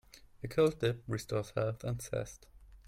A cold dip restores health and zest.